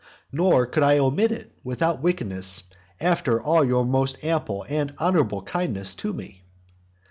Nor could I omit it without wickedness after all your most ample and honourable kindness to me.